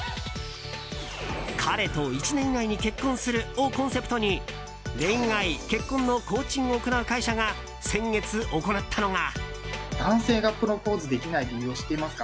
彼と１年以内に結婚する！をコンセプトに恋愛結婚のコーチングを行う会社が先月、行ったのが。